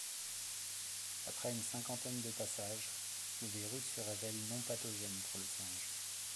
Après une cinquantaine de passages, le virus se révèle non pathogène pour le singe.